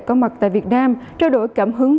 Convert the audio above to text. có mặt tại việt nam trao đổi cảm hứng